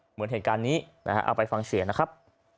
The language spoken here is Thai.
เหมือนเหตุการณ์นี้นะฮะเอาไปฟังเสียงนะครับ